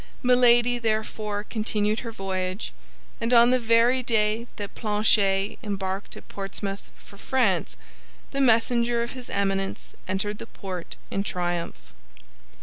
Milady therefore continued her voyage, and on the very day that Planchet embarked at Portsmouth for France, the messenger of his Eminence entered the port in triumph.